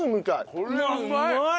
これはうまい！